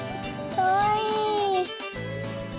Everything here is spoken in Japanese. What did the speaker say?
かわいい。